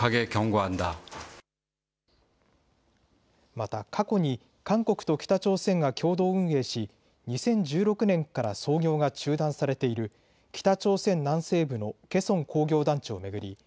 また過去に韓国と北朝鮮が共同運営し２０１６年から操業が中断されている北朝鮮南西部のケソン工業団地を巡り